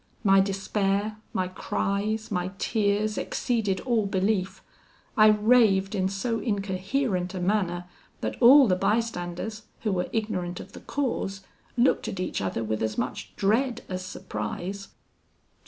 My despair my cries my tears, exceeded all belief: I raved in so incoherent a manner that all the bystanders, who were ignorant of the cause, looked at each other with as much dread as surprise.